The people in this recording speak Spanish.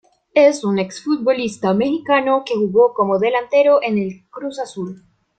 Es un exfutbolista mexicano que jugó como Delantero en el Cruz Azul.